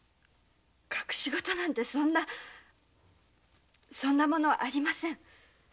隠し事なんてそんなそんなものありません。